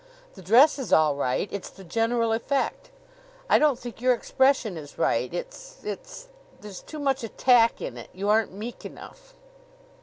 "The dress is all right. It's the general effect. I don't think your expression is right. It's it's there's too much attack in it. You aren't meek enough."